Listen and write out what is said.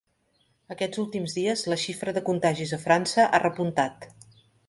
Aquests últims dies, la xifra de contagis a França ha repuntat.